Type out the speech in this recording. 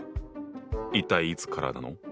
一体いつからなの？